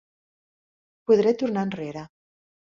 Podré Tornar Enrere.